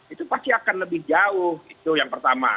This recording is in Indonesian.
itu pasti akan lebih jauh itu yang pertama